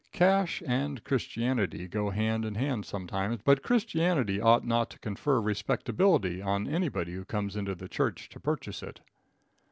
Cash and Christianity go hand in hand sometimes, but Christianity ought not to confer respectability on anybody who comes into the church to purchase it.